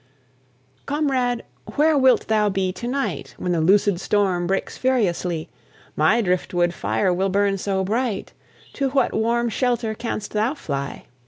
Comrade, where wilt thou be to night, When the loosed storm breaks furiously? My driftwood fire will burn so bright! To what warm shelter canst thou fly?